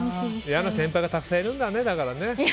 嫌な先輩がたくさんいるんだね。